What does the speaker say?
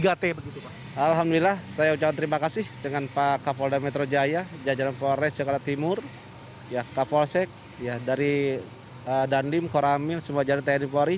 alhamdulillah saya ucapkan terima kasih dengan pak kapol da metro jaya jajaran forest jogja timur kapol sek dandim koramil jajaran tni puari